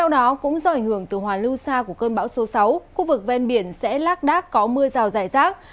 do ảnh hưởng từ hoàn lưu xa của cơn bão số sáu khu vực ven biển sẽ lác đác có mưa rào dài rác